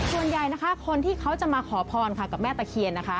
ส่วนใหญ่นะคะคนที่เขาจะมาขอพรค่ะกับแม่ตะเคียนนะคะ